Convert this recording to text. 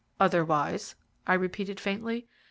"'Otherwise?' I repeated faintly.